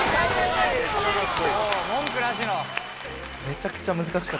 文句なしの。